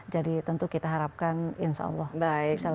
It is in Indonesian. jadi tentu kita harapkan insya allah bisa lebih baik